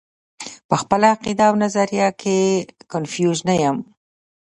پۀ خپله عقيده او نظريه کښې کنفيوز نۀ يم -